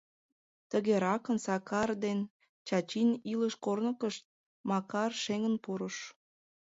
Тыгеракын Сакар ден Чачин илыш корнышкышт Макар шеҥын пурыш.